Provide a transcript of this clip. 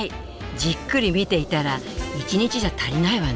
じっくり見ていたら１日じゃ足りないわね。